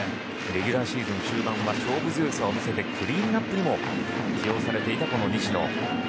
レギュラーシーズン終盤は勝負強さを見せてクリーンアップにも起用されていた西野。